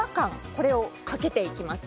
これをかけていきます。